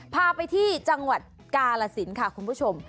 พาไปที่จังหวัดกาลสินค่ะคุณผู้ชม